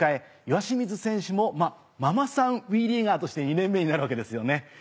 岩清水選手もママさんＷＥリーガーとして２年目になるわけですよね。